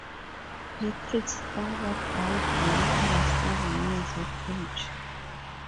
Patrick's father died when he was seven years of age.